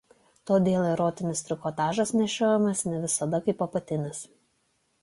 Todėl erotinis trikotažas nešiojamas ne visada kaip apatinis.